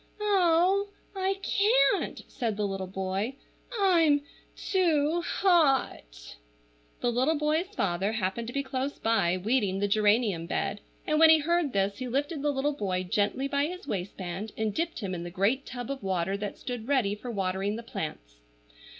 "Oh, I—can't!" said the little boy. "I'm—too—hot!" The little boy's father happened to be close by, weeding the geranium bed; and when he heard this, he lifted the little boy gently by his waistband, and dipped him in the great tub of water that stood ready for watering the plants.